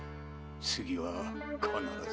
次は必ず。